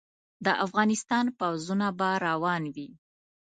د افغانستان پوځونه به روان وي.